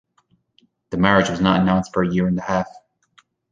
The marriage was not announced for a year and a half.